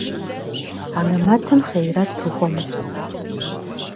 Анэмэтым хъейрэт ухуэмыхъу.